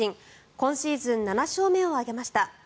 今シーズン７勝目を挙げました。